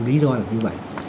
lý do là như vậy